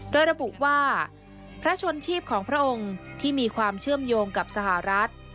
โดยระบุว่าพระชนชีพของพระองค์ที่มีความเชื่อมโยงกับสหรัฐ